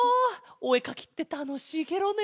おえかきってたのしいケロね！